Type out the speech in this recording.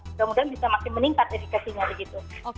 mudah mudahan bisa makin meningkat dedikasinya begitu